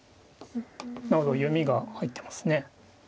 なるほど読みが入ってますね。